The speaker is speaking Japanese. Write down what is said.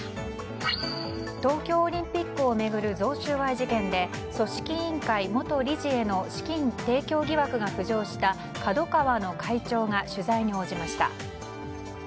東京オリンピックを巡る贈収賄事件で組織委員会元理事への資金提供疑惑が浮上したＫＡＤＯＫＡＷＡの会長が取材に応じました。